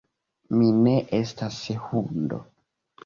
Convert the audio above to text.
Mi ne estas hundo